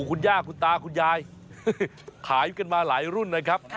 คุณย่าคุณตาคุณยายขายกันมาหลายรุ่นนะครับ